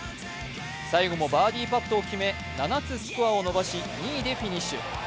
最後もバーディーパットを決め、７つスコアを伸ばし、２位でフィニッシュ。